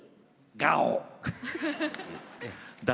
ガオ！